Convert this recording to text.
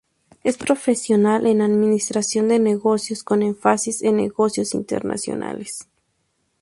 Es profesional en Administración de Negocios con Énfasis en Negocios Internacionales.